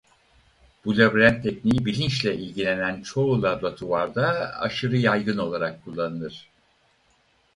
Bu labirent tekniği bilinçle ilgilenen çoğu laboratuvarda aşırı yaygın olarak kullanılır.